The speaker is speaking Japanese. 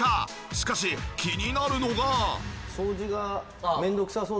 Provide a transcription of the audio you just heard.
しかし気になるのが。